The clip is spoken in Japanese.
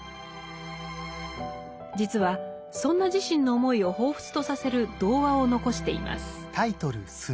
実はそんな自身の思いを彷彿とさせる童話を残しています。